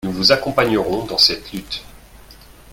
Nous vous accompagnerons dans cette lutte.